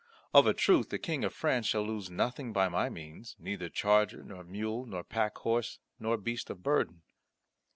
Of a truth the King of France shall lose nothing by my means, neither charger, nor mule, nor packhorse, nor beast of burden."